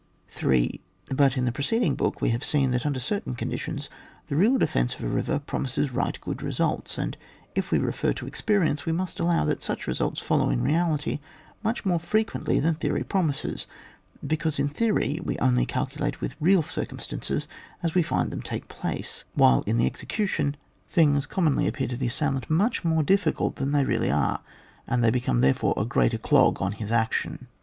3. But in the preceding book we have seen, that under certain conditions, the real defence of a river promises right good results ; and if we refer to expe rience, we must allow that such results follow in reality much more frequently than theory promises, because in theory we only calculate with real circumstances as we find them take place, while in the execution, things commonly appear to CHAP, vni.] PASSAGE OFRIV£RS. 9 the assailant mucli more difficult tbaa they really are, and they become there fore a greater clog on his action.